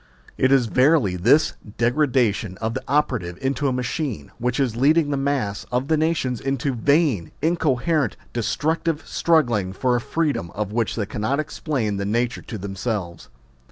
... It is verily this degradation of the operative into a machine, which is leading the mass of the nations into vain, incoherent, destructive struggling for a freedom of which they cannot explain the nature to themselves.